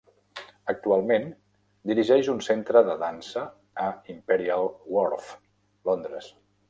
Actualment dirigeix un centre de dansa a Imperial Wharf, Londres.